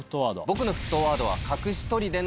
僕の沸騰ワードは。